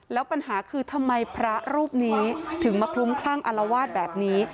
แล้วปัญหาคือทำไมพระรูปนี้ถึงมาคลุ้มคลั่งอารวาสแบบนี้